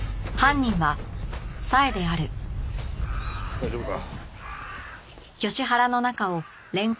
大丈夫か？